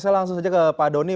saya langsung saja ke pak doni